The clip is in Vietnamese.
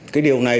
cái điều này